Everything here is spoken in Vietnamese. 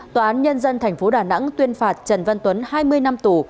tòa án nhân dân tp đà nẵng tuyên phạt trần văn tuấn hai mươi năm tù